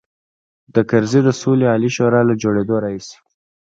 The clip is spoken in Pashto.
د کرزي د سولې عالي شورا له جوړېدلو راهیسې.